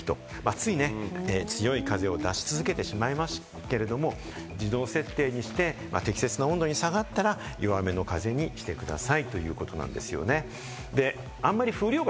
つい強い風を出し続けてしまいますけれども、自動設定にして適切な温度に下がったら、弱めの風にしてくださいということなんですよね。